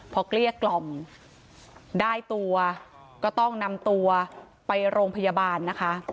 พอเกลี้ยกล่อมได้ตัวก็ต้องนำตัวไปโรงพยาบาลนะคะ